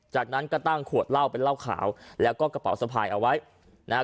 จากนั้นก็ตั้งขวดเหล้าเป็นเหล้าขาวแล้วก็กระเป๋าสะพายเอาไว้นะฮะ